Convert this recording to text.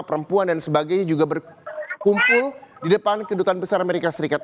perempuan dan sebagainya juga berkumpul di depan kedutaan besar amerika serikat